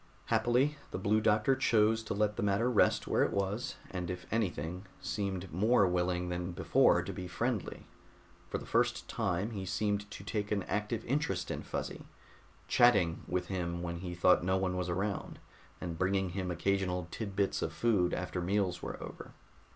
Happily, the Blue Doctor chose to let the matter rest where it was, and if anything, seemed more willing than before to be friendly. For the first time he seemed to take an active interest in Fuzzy, "chatting" with him when he thought no one was around, and bringing him occasional tid bits of food after meals were over.